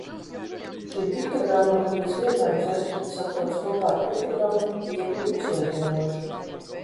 Šī piktogramma gandrīz vienmēr uz etiķetes atrodas kopā ar piktogrammu Viegli uzliesmojošs.